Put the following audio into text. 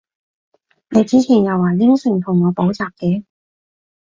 你之前又話應承同我補習嘅？